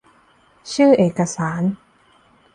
ชื่อเอกสาร